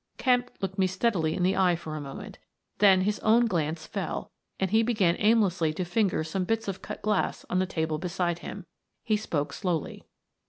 Kemp looked me steadily in the eye for a moment. Then his own glance fell, and he began aimlessly to finger some bits of cut glass on the table beside him. He spoke slowly.